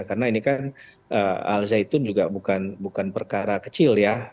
karena ini kan alzaitun juga bukan perkara kecil ya